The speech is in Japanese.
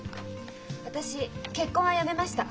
私結婚はやめました。